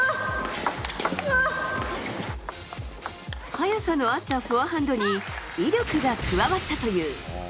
速さのあったフォアハンドに威力が加わったという。